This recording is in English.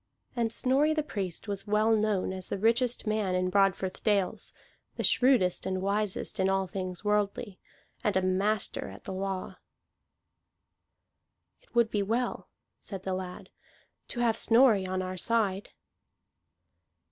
And Snorri the Priest was well known as the richest man in Broadfirth dales, the shrewdest and wisest in all things worldly, and a master at the law. "It would be well," said the lad, "to have Snorri on our side."